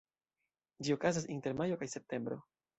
Ĝi okazas inter majo kaj septembro.